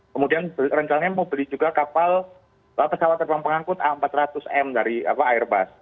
kemudian rencananya mau beli juga kapal pesawat terbang pengangkut a empat ratus m dari airbus